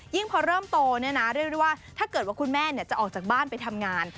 ยิ่งพอเริ่มโตด้วยว่าถ้าเกิดว่าคุณแม่จะออกจากบ้านไปทำงาน